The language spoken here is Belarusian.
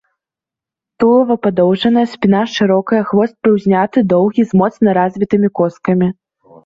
Тулава падоўжанае, спіна шырокая, хвост прыўзняты, доўгі, з моцна развітымі коскамі.